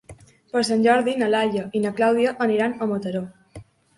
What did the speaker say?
Per Sant Jordi na Laia i na Clàudia aniran a Mataró.